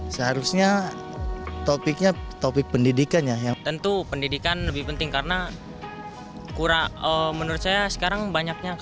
seharusnya topiknya topik pendidikannya yang tentu pendidikan lebih penting karena kurang menurut saya